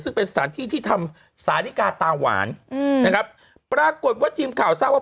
ซึ่งเป็นสถานที่ที่ทำสานิกาตาหวานอืมนะครับปรากฏว่าทีมข่าวทราบว่า